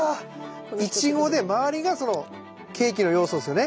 イチゴで周りがケーキのようですよね？